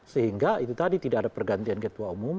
sehingga itu tadi tidak ada pergantian ketua umum